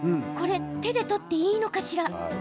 これ手で取っていいのかしら？